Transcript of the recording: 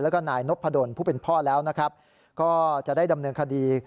แล้วก็นายนพดลผู้เป็นพ่อแล้วนะครับก็จะได้ดำเนินคดี